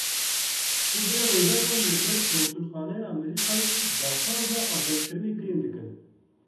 Kurdên Rojava li ber konsulxaneya Amerîkayê daxwaza azadkirina girtiyan dikin.